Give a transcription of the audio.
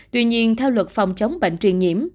tuy nhiên theo luật phòng chống bệnh truyền nhiễm